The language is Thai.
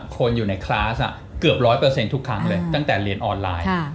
คนอยู่ในคลาสเกือบ๑๐๐ทุกครั้งเลยตั้งแต่เรียนออนไลน์